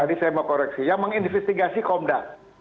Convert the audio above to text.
tadi saya mau koreksi yang menginvestigasi komda